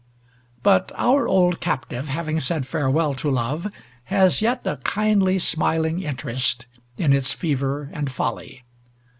But our old captive, having said farewell to love, has yet a kindly smiling interest in its fever and folly.